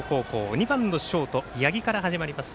２番のショート、八木から始まります。